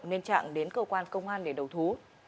nên trạng đến cơ quan công an để đầu thú